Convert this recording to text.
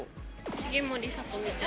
重盛さと美ちゃん。